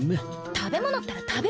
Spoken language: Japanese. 食べ物ったら食べ物よ。